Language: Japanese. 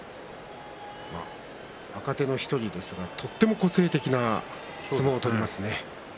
若手の１人ですがとても個性的な相撲を取ります。